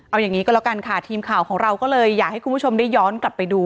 เอาอย่างนี้ก็แล้วกันค่ะทีมข่าวของเราก็เลยอยากให้คุณผู้ชมได้ย้อนกลับไปดู